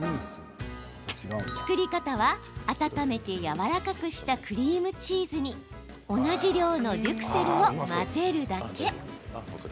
作り方は、温めてやわらかくしたクリームチーズに同じ量のデュクセルを混ぜるだけ。